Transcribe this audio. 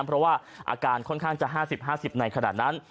เพราะว่าอาการค่อนข้างจะ๕๐๕๐ในขณะนั้น